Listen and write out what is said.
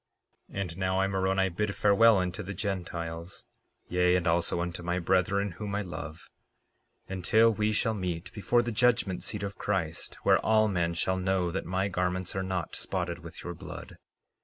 12:38 And now I, Moroni, bid farewell unto the Gentiles, yea, and also unto my brethren whom I love, until we shall meet before the judgment seat of Christ, where all men shall know that my garments are not spotted with your blood.